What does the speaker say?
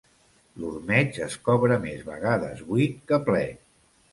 L'ormeig es cobra més vegades buit que ple.